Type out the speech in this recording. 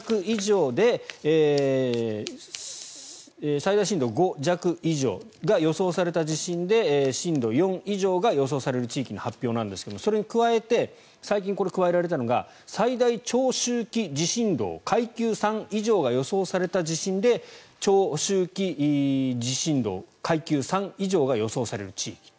最大震度５弱以上が予想された地震で震度４以上が予想される地域に発表なんですがそれに加えて最近、加えられたのが最大長周期地震動階級３以上が予想された地震で長周期地震動階級３以上が予想される地域。